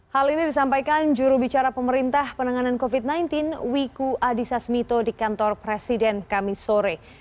hal ini disampaikan jurubicara pemerintah penanganan covid sembilan belas wiku adhisa smito di kantor presiden kami sore